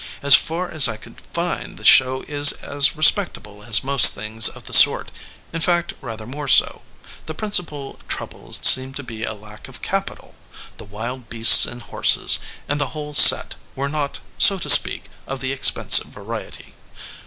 As far as I could find, the show is as respectable as most things of the sort; in fact, rather more so. The principal trouble seemed to be lack of capital. 165 EDGEWATER PEOPLE ,The wild beasts and horses, and the whole set, were not, so to speak, of the expensive variety.